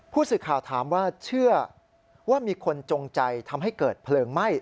ผู้สื่อข่าวถามว่าเชื่อว่ามีคนจงใจทำให้เกิดเพลิงไหม้